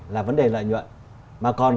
là vấn đề lợi nhuận mà còn